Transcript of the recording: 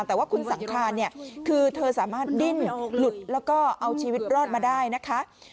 แต่ว่าคุณสังครานเนี่ยคือเธอสามารถดิ้นหลุดแล้วก็เอาชีวิตรอดมาได้นะคะ